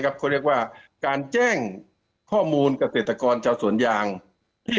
ครับเขาเรียกว่าการแจ้งข้อมูลกระเศรษฐกรชาวสวนยางที่